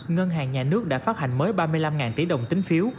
ngân hàng nhà nước đã phát hành mới ba mươi năm tỷ đồng tính phiếu